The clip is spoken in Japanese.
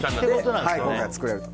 今回作れると。